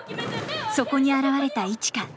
そこに現れた一花。